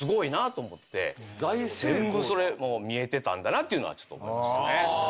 全部それ見えてたんだなっていうのは思いましたね。